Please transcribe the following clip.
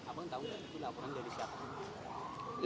abang tahu itu laporan dari siapa